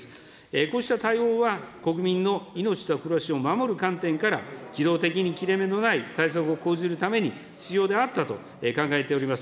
こうした対応は国民の命と暮らしを守る観点から、機動的に切れ目のない対策を講じるために必要であったと考えております。